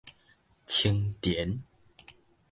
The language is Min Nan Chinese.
青田